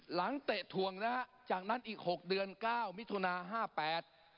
เตะถวงนะฮะจากนั้นอีกหกเดือนเก้ามิถุนาห้าแปด